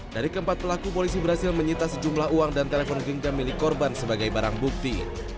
dari keempat pelaku polisi berhasil menyita sejumlah uang dan telepon genggam milik korban sebagai barang bukti